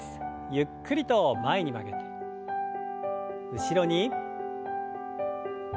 ゆっくりと前に曲げて後ろに。